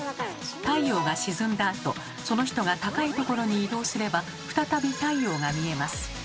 太陽が沈んだあとその人が高いところに移動すれば再び太陽が見えます。